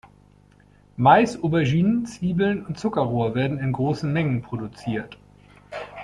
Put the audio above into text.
Mais, Auberginen, Zwiebeln und Zuckerrohr werden in großen Mengen produziert.